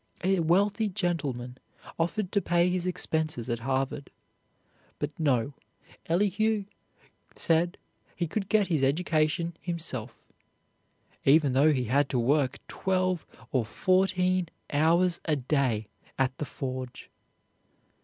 A wealthy gentleman offered to pay his expenses at Harvard. But no, Elihu said he could get his education himself, even though he had to work twelve or fourteen hours a day at the forge.